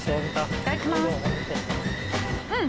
いただきますうん。